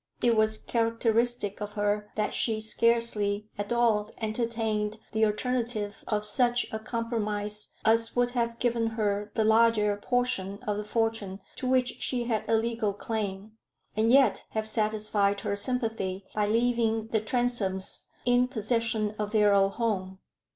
It was characteristic of her that she scarcely at all entertained the alternative of such a compromise as would have given her the larger portion of the fortune to which she had a legal claim, and yet have satisfied her sympathy by leaving the Transomes in possession of their old home.